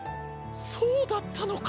そうだったのか。